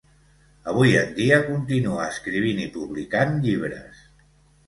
Avui en dia continua escrivint i publicant llibres.